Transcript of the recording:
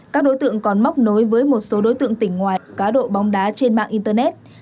các đối tượng còn móc nối với một số đối tượng tỉnh ngoài cá độ bóng đá trên mạng internet